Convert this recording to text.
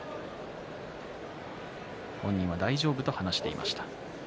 本人は大丈夫と話していました。